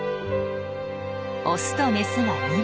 オスとメスが２羽。